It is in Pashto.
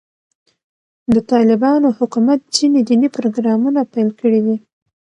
د طالبانو حکومت ځینې دیني پروګرامونه پیل کړي دي.